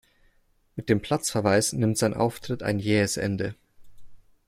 Mit dem Platzverweis nimmt sein Auftritt ein jähes Ende.